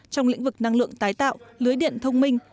trong lĩnh vực năng lượng tái tạo lưới điện thông minh